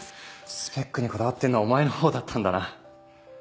スペックにこだわってんのはお前のほうだったんだな。